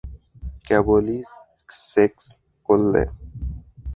কেবলি সেক্স করলে!